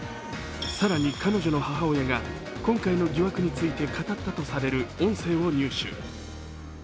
更に彼女の母親が今回の疑惑について語ったとされる音声を入手。